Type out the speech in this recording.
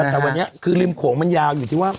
แต่วันนี้คือริมโขงมันยาวอยู่ที่ว่า